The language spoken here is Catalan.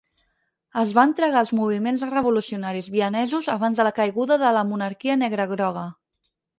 Es va entregar als moviments revolucionaris vienesos abans de la caiguda de la monarquia negre-groga.